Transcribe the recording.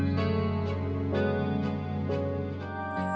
iyakan que ke kenya einan cuma masan yang kayaknya